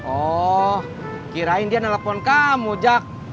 oh kirain dia nelfon kamu jak